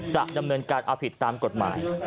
จะดำเนินการเอาผิดตามกฎหมาย